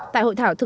tại hội thảo thức